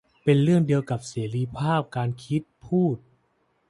เป็นเรื่องเดียวกับเสรีภาพการคิด พูด